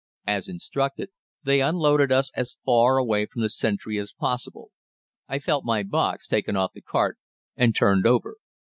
As instructed, they unloaded us as far away from the sentry as possible. I felt my box taken off the cart and turned over.